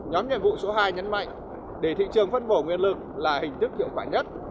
nhóm nhiệm vụ số hai nhấn mạnh để thị trường phân bổ nguyên lực là hình thức hiệu quả nhất